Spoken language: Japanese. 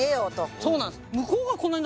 そうなんです。